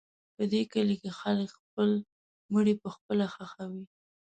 په دې کلي کې خلک خپل مړي پخپله ښخوي.